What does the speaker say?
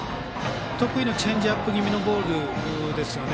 得意のチェンジアップ気味のボールですよね